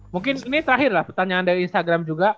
mungkin ini terakhirlah pertanyaan dari instagram juga